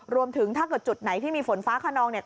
รวมถึงถ้าเกิดจุดไหนที่มีฝนฟ้าขนองเนี่ย